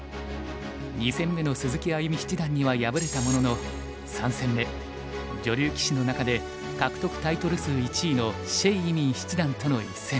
２戦目の鈴木歩七段には敗れたものの３戦目女流棋士の中で獲得タイトル数１位の謝依旻七段との一戦。